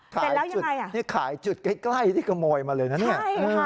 เป็นแล้วยังไงขายจุดใกล้ที่ขโมยมาเลยนะเนี่ย